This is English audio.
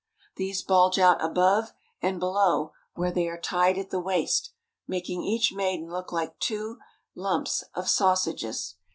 These bulge out above and below where they are tied at the waist, making each maiden look like two huge lumps of sausages.